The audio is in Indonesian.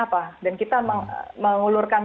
apa dan kita mengulurkan